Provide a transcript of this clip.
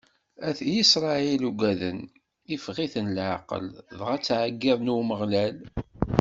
At Isṛayil ugaden, iffeɣ-iten leɛqel, dɣa ttɛeggiḍen ɣer Umeɣlal.